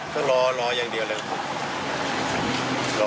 ก็รออย่างเดียวเลยครับ